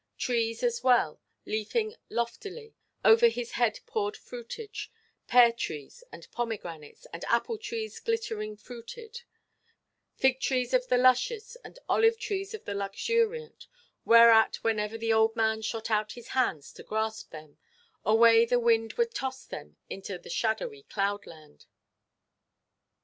Trees as well, leafing loftily, over his head poured fruitage, Pear–trees, and pomegranates, and apple–trees glittering–fruited, Fig–trees of the luscious, and olive–trees of the luxuriant; Whereat whenever the old man shot out his hands to grasp them, Away the wind would toss them into the shadowy cloudland."